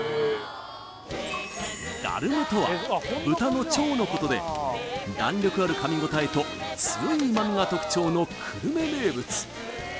ダルムとは豚の腸のことで弾力ある噛み応えと強い旨みが特徴の久留米名物